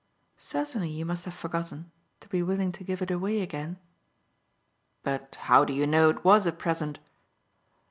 "Certainly you must have forgotten, to be willing to give it away again." "But how do you know it was a present?"